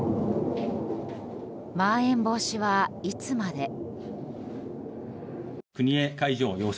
まん延防止はいつまで。